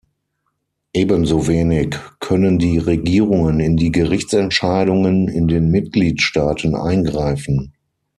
Ebenso wenig können die Regierungen in die Gerichtsentscheidungen in den Mitgliedstaaten eingreifen.